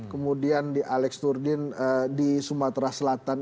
kemudian di alex turdin di sumatera selatan